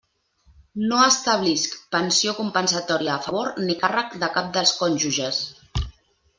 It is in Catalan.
No establisc pensió compensatòria a favor ni càrrec de cap dels cònjuges.